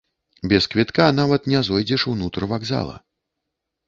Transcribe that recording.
Без квітка нават не зойдзеш унутр вакзала!